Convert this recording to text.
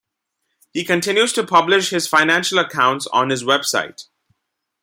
He continues to publish his financial accounts on his website.